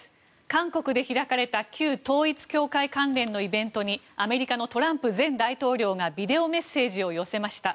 韓国で開かれた旧統一教会関連のイベントにアメリカのトランプ前大統領がビデオメッセージを寄せました。